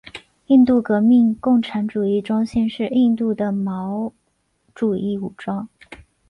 印度革命共产主义中心是印度的毛主义武装。